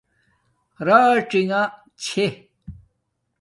راڅینݣ چھے